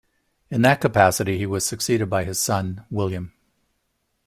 In that capacity he was succeeded by his son William.